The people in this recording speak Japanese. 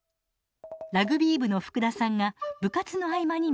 ラグビー部の福田さんが部活の合間に漫才を披露。